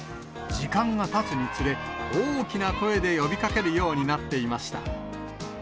時間がたつにつれ、大きな声で呼びかけるようになっていました。